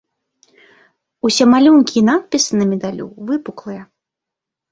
Усе малюнкі і надпісы на медалю выпуклыя.